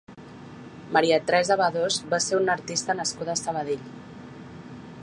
Maria Teresa Bedós va ser una artista nascuda a Sabadell.